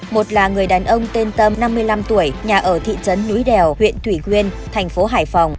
một là người đàn ông tên tâm năm mươi năm tuổi nhà ở thị trấn núi đèo huyện thủy nguyên thành phố hải phòng